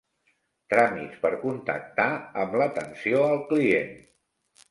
Tràmits per contactar amb l'atenció al client.